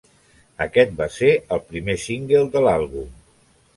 Aquest va ser el primer single de l'àlbum.